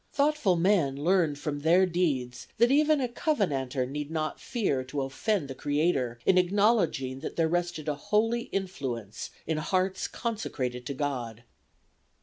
Thoughtful men learned from their deeds that even a Covenanter need not fear to offend the Creator in acknowledging that there rested a holy influence in hearts consecrated to God."